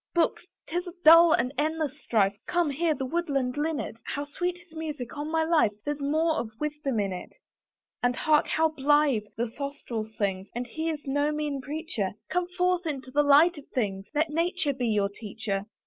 Books! 'tis a dull and endless strife, Come, hear the woodland linnet, How sweet his music; on my life There's more of wisdom in it. And hark! how blithe the throstle sings! And he is no mean preacher; Come forth into the light of things, Let Nature be your teacher.